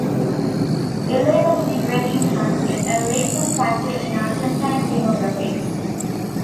Illegal immigration has been a recent factor in Argentine demographics.